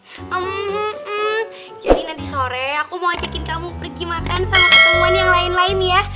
hmm jadi nanti sore aku mau ajakin kamu pergi makan sama ketemuan yang lain lain ya